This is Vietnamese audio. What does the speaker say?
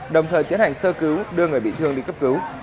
đồng thời tiến hành sơ cứu đưa người bị thương đi cấp cứu